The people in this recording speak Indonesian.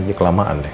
jadi kelamaan deh